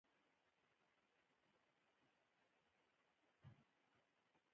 د سړک جوړولو چارې هم روانې دي.